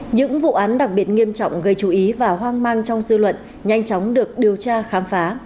những vụ án đặc biệt nghiêm trọng gây chú ý và hoang mang trong dư luận nhanh chóng được điều tra khám phá